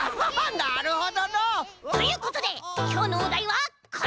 なるほどのう！ということできょうのおだいはこれ！